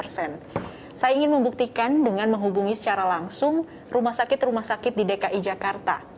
saya ingin membuktikan dengan menghubungi secara langsung rumah sakit rumah sakit di dki jakarta